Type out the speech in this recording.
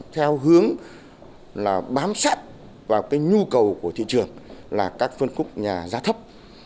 theo hướng bám sát vào nhu cầu của thị trường là các phân khúc nhà giá thấp